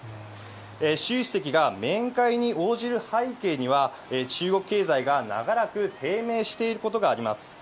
習主席が面会に応じる背景には、中国経済が長らく低迷していることがあります。